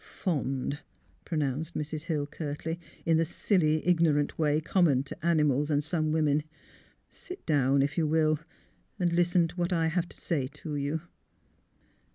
" Fond," pronounced Mrs. Hill, curtly, '' in the silly, ignorant way common to animals and some women. Sit down, if you will, and listen to what I have to say to you."